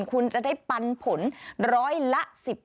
คุณจะได้ปันผลร้อยละ๑๕